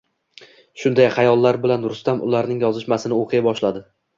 Shunday xayollar bilan Rustam ularning yozishmasini o`qiy boshladi